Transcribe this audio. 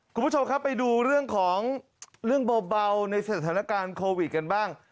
คุณผู้ชมครับไปดูเรื่องของเรื่องเบาในสถานการณ์โควิดกันบ้าง